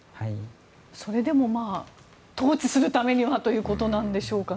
それでも統治するためにはということでしょうかね。